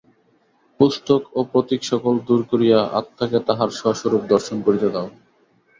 পুস্তক ও প্রতীকসকল দূর করিয়া আত্মাকে তাহার স্ব-স্বরূপ দর্শন করিতে দাও।